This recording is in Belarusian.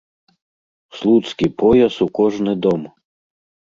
Слуцкі пояс у кожны дом!